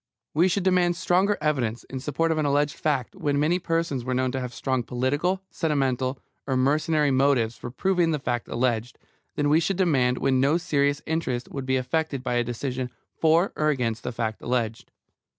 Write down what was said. We should demand stronger evidence in support of an alleged fact when many persons were known to have strong political, sentimental, or mercenary motives for proving the fact alleged, than we should demand when no serious interest would be affected by a decision for or against the fact alleged.